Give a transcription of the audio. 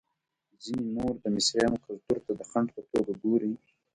ځینې نور د مصریانو کلتور ته د خنډ په توګه ګوري.